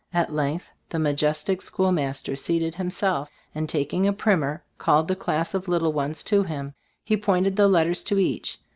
At length the majestic schoolmaster seated himself, and tak ing a primer, called the class of little ones to him. He pointed the letters to each.